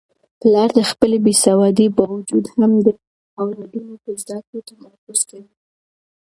پلار د خپلې بې سوادۍ باوجود هم د اولادونو په زده کړو تمرکز کوي.